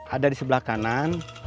ada di sebelah kanan